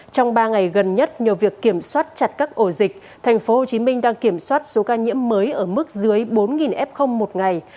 trong ba ngày gần nhất nhờ việc kiểm soát chặt các ổ dịch tp hcm đang kiểm soát số ca nhiễm mới ở mức dưới bốn f một ngày